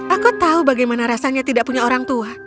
aku tahu bagaimana rasanya tidak punya orang tua